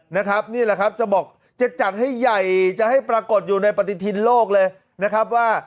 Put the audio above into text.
นี่แหละครับจะบอกจะจัดให้ใหญ่จะให้ปรากฏอยู่ในปฏิทินโลกเลยนะครับว่า